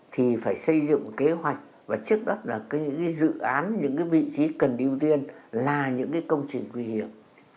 thì phải xây dựng kế hoạch và trước đó là những cái dự án những cái vị trí cần điều tiên là những cái công trình nguy hiểm